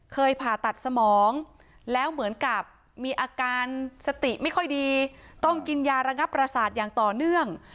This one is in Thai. ผ่าตัดสมองแล้วเหมือนกับมีอาการสติไม่ค่อยดีต้องกินยาระงับประสาทอย่างต่อเนื่อง